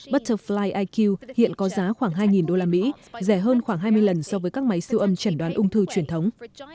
butterfly eq hiện có giá khoảng hai usd rẻ hơn khoảng hai mươi lần so với các máy siêu âm chẩn đoán ung thư truyền thống